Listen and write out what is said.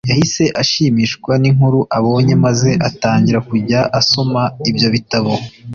Yahise ashimishwa n’inkuru abonye maze atangira kujya asoma ibyo bitabo